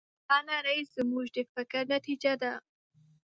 دا نړۍ زموږ د فکر نتیجه ده.